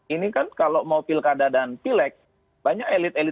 ini kan kalau mau pilkada dan pilek banyak elit elit partai yang kesukaan miskin